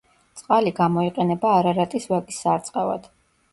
წყალი გამოიყენება არარატის ვაკის სარწყავად.